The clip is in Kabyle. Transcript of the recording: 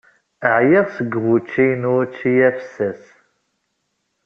Ɛyiɣ seg wucci n wucci afessas.